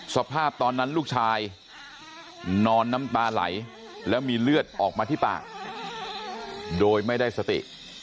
สภาพตอนนั้นลูกชายนอนน้ำตาไหลแล้วมีเลือดออกมาที่ปากโดยไม่ได้สติ